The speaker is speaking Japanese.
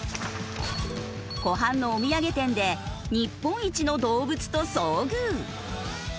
湖畔のお土産店で日本一の動物と遭遇。